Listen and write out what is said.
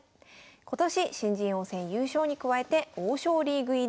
今年新人王戦優勝に加えて王将リーグ入り。